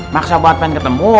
maksa banget pengen ketemu